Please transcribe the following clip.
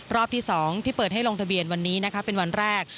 รอบที่๒ที่เปิดให้ลงทะเบียนวันนี้นะคะเป็นวันแรก